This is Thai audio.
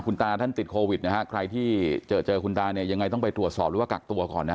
คุณตาท่านติดโควิดใครที่เจอคุณตายังไงต้องไปตรวจสอบหรือกักตัวก่อน